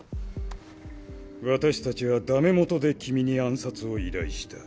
私たちはダメもとで君に暗殺を依頼した。